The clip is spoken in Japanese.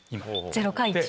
０か１。